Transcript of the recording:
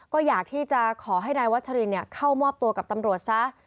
ก็อยากที่จะขอให้นายวัชรินเข้ามอบตัวกับตำรวจซะ